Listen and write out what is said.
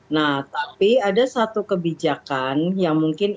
nah tapi ada satu kebijakan yang mungkin